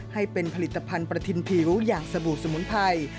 ให้เป็นผลิตภัณฑ์ประทินผิวอย่างสบู่สมุนไพร